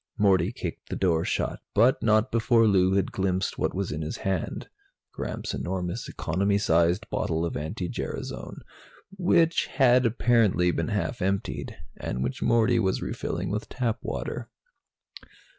Morty kicked the door shut, but not before Lou had glimpsed what was in his hand Gramps' enormous economy size bottle of anti gerasone, which had apparently been half emptied, and which Morty was refilling with tap water.